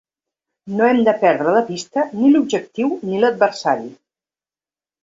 No hem de perdre de vista ni l’objectiu ni l’adversari.